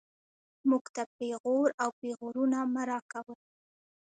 موږ ته پېغور او پېغورونه مه راکوئ